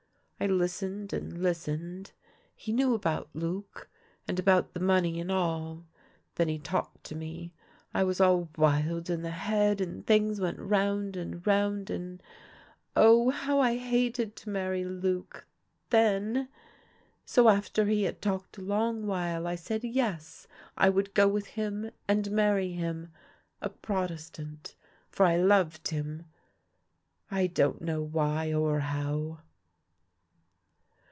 I listened and listened. He knew about Luc and about the money and all. Then he talked to me. I was all wild in the head, and things went round and round, and oh, how I hated to marry Luc — then ! So after he had talked a long while I said yes, I would go with him and marry him — a Protestant; for I loved him. I don't know why or how."